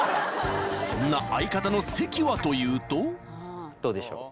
そんな相方の関はというとどうでしょう？